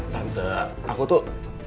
tante aku tuh